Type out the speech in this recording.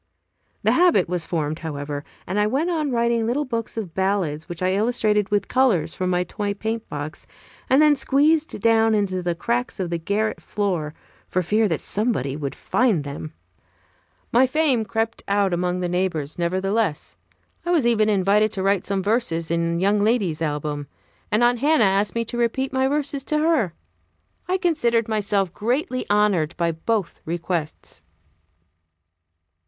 The habit was formed, however, and I went on writing little books of ballads, which I illustrated with colors from my toy paintbox, and then squeezed down into the cracks of the garret floor, for fear that somebody would find them. My fame crept out among the neighbors, nevertheless. I was even invited to write some verses in young lady's album; and Aunt Hannah asked me to repeat my verses to her. I considered myself greatly honored by both requests.